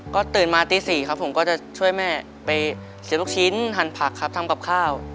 ก็ตื่นมาตี๔ครับผมก็จะช่วยแม่ไปเสียลูกชิ้นหั่นผักครับทำกับข้าว